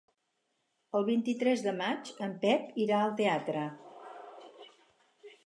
El vint-i-tres de maig en Pep irà al teatre.